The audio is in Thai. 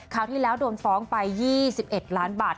ที่แล้วโดนฟ้องไป๒๑ล้านบาท